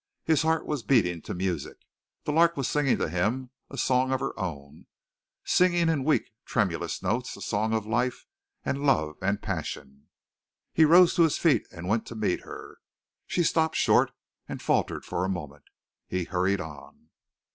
His heart was beating to music, the lark was singing to him a song of her own singing in weak, tremulous notes a song of life and love and passion! He rose to his feet and went to meet her. She stopped short and faltered for a moment. He hurried on.